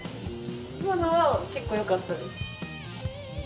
今のは結構よかったです。